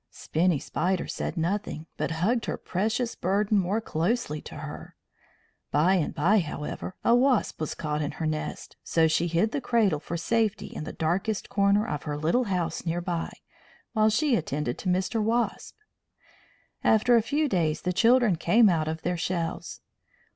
Spinny Spider said nothing, but hugged her precious burden more closely to her. By and by, however, a wasp was caught in her nest, so she hid the cradle for safety in the darkest corner of her little house near by, while she attended to Mr. Wasp. After a few days the children came out of their shells.